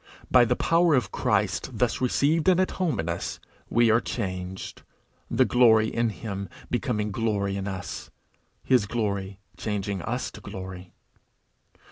By the power of Christ thus received and at home in us, we are changed the glory in him becoming glory in us, his glory changing us to glory.